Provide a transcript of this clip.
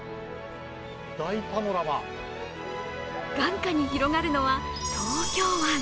眼下に広がるのは東京湾。